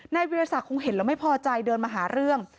วิทยาศักดิคงเห็นแล้วไม่พอใจเดินมาหาเรื่อง